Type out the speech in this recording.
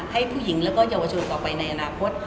ให้ผู้หญิงแล้วก็เยาวชนต่อไปในอนาคต